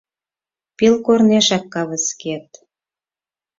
Пел корнешак кавыскет.